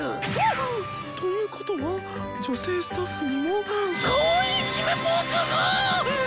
ハッ！ということは女性スタッフにもかわいい決めポーズが？